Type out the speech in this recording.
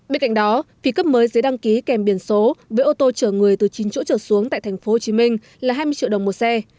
bên cạnh đó phí cấp mới giấy đăng ký kèm biển số với ô tô chở người từ chín chỗ trở xuống tại tp hcm là hai mươi triệu đồng một xe